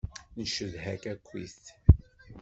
Ncedha-k akkit.